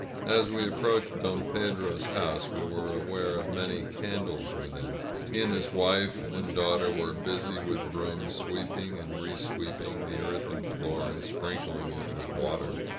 As we approached Don Pedro's house we were aware of many candles within. He and his wife and daugh ter were busy with brooms, sweeping and resweeping the earthen floor, and sprinkling it with water.